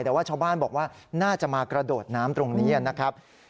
แต่ว่าชาวบ้านบอกว่าน่าจะมากระโดดน้ำตรงนี้นะครับ